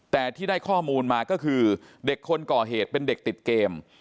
แต่ที่ได้ข้อมูลมาก็คือเด็กคนก่อเหตุเป็นเด็กติดเกม